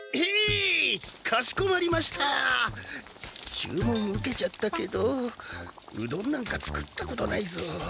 注文受けちゃったけどうどんなんか作ったことないぞ。